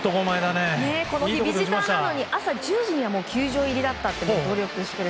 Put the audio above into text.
この日ビジターだったのに朝１０時には球場入りだったと努力している